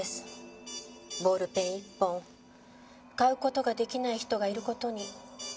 ボールペン１本買う事が出来ない人がいる事に。